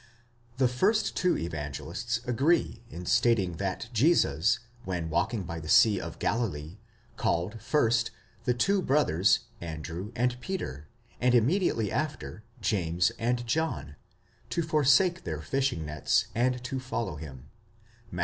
THE first two Evangelists agree in stating that Jesus, when walking by the sea of Galilee, called, first, the two brothers Andrew and Peter, and immediately after, James and John, to forsake their fishing nets, and to follow him (Matt.